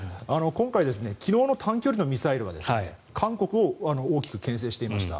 今回昨日の単距離のミサイルは韓国を大きくけん制していました。